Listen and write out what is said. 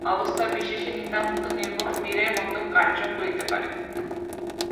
অবস্থাবিশেষে নিতান্ত নির্বোধও বীরের মত কার্য করিতে পারে।